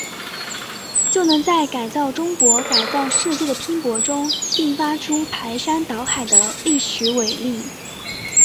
就能在改造中国、改造世界的拼搏中，迸发出排山倒海的历史伟力。